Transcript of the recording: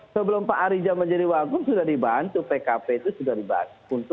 sebelum pak arija menjadi wagub sudah dibantu pkp itu sudah dibantu